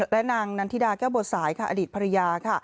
และนางนานธิดาแก้วโบสายอดีตพระยา